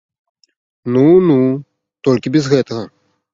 Ну, ну, толькі без гэтага!